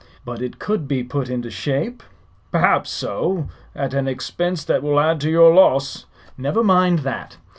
"But it could be put into shape?" "Perhaps so; at an expense that will add to your loss." "Never mind that."